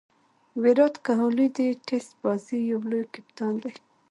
ویرات کهولي د ټېسټ بازي یو لوی کپتان دئ.